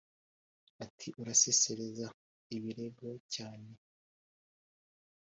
Ati: "Urasesereza ibirego cyane!